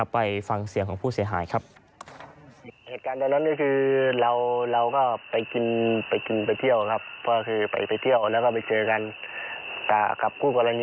ไปฟังเสียงของผู้เสียหายครับ